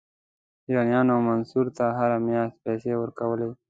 ایرانیانو منصور ته هره میاشت پیسې ورکولې.